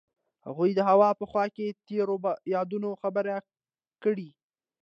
هغوی د هوا په خوا کې تیرو یادونو خبرې کړې.